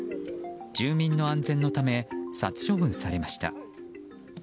住民の安全のため殺処分されました。